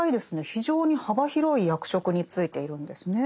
非常に幅広い役職に就いているんですね。